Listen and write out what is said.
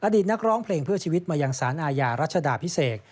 ดีตนักร้องเพลงเพื่อชีวิตมายังสารอาญารัชดาพิเศษ